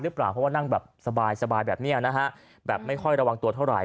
เพราะว่านั่งแบบสบายแบบนี้นะฮะแบบไม่ค่อยระวังตัวเท่าไห